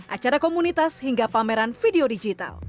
acara komunitas hingga pameran video digital